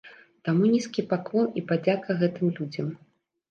Таму нізкі паклон і падзяка гэтым людзям.